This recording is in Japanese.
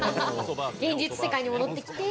現実世界に戻ってきて。